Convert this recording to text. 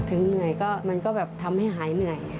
เหนื่อยก็มันก็แบบทำให้หายเหนื่อย